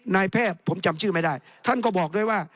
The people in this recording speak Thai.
นายแพทย์ผมจำชื่อไม่ได้ท่านก็บอกด้วยว่า